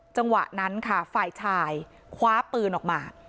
จังหวะนั้นค่ะฝ่ายชายคว้าปืนออกมา